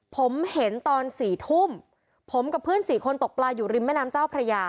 ผมเห็นตอนสี่ทุ่มผมกับเพื่อนสี่คนตกปลาอยู่ริมแม่น้ำเจ้าพระยา